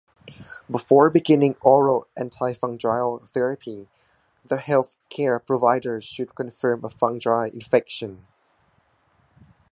Before beginning oral antifungal therapy the health care provider should confirm a fungal infection.